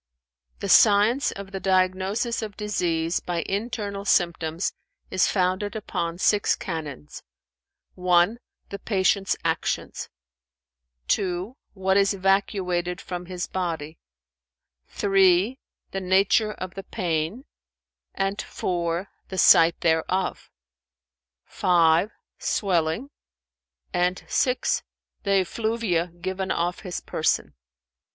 "The science of the diagnosis of disease by internal symptoms is founded upon six canons: (1) the patient's actions; (2) what is evacuated from his body; (3) the nature of the pain; and (4) the site thereof; (5) swelling; and (6) the effluvia given off his person."